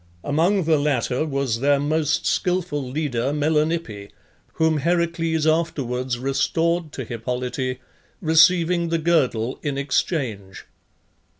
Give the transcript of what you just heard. Among the latter was their most skilful leader, Melanippe, whom Heracles afterwards restored to Hippolyte, receiving the girdle in exchange.